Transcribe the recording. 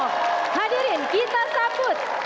hadirin kita sabut